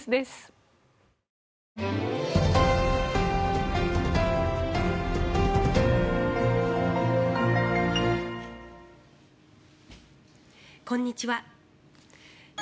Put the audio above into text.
こんにちは。